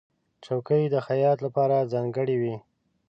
چوکۍ د خیاط لپاره ځانګړې وي.